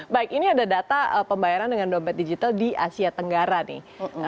baik ini ada data pembayaran dengan dompet digital di asia tenggara nih